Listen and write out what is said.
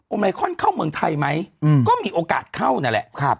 ไมคอนเข้าเมืองไทยไหมก็มีโอกาสเข้านั่นแหละ